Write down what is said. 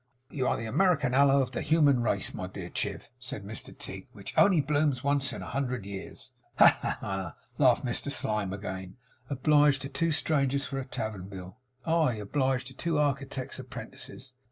'You are the American aloe of the human race, my dear Chiv,' said Mr Tigg, 'which only blooms once in a hundred years!' 'Ha, ha, ha!' laughed Mr Slyme again. 'Obliged to two strangers for a tavern bill! I obliged to two architect's apprentices.